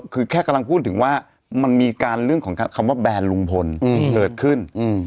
คือแค่กำลังพูดถึงว่ามันมีการเรื่องของคำว่าแบนลุงพลเกิดขึ้น